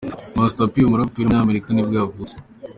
Master P, umuraperi w’umunyamerika nibwo yavutse.